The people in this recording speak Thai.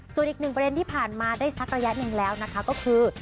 ส่วนอีกประเด็นที่ผ่านมากันซักระยะเองก็คือ